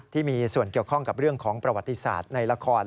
ที่มีส่วนเกี่ยวข้องกับเรื่องของประวัติศาสตร์ในละคร